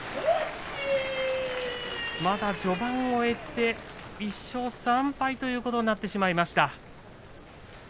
まだ序盤を終えて１勝３敗ということになってしまいました。